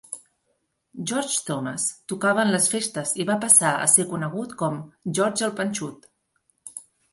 George Thomas tocava en les festes i va passar a ser conegut com "George el Panxut".